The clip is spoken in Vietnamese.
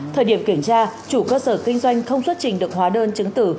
thời điểm kiểm tra chủ cơ sở kinh doanh không xuất trình được hóa đơn chứng tử